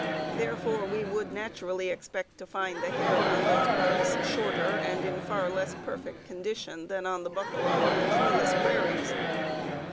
Therefore, we would naturally expect to find the hair on those parts shorter and in far less perfect condition than on the bison of the treeless prairies.